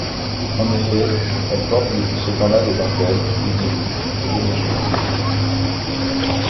En effet, elle porte depuis ce temps-là des dentelles, des bijoux, de jolies choses.